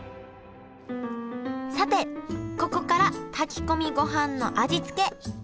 さてここから炊き込みごはんの味付け。